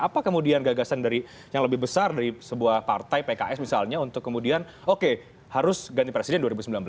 apa kemudian gagasan dari yang lebih besar dari sebuah partai pks misalnya untuk kemudian oke harus ganti presiden dua ribu sembilan belas